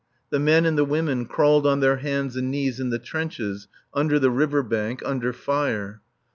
The men and the women crawled on their hands and knees in the trenches [? under the river bank] under fire.